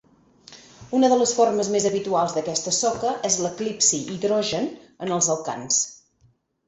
Una de les formes més habituals d'aquesta soca és l'eclipsi hidrogen, en els alcans.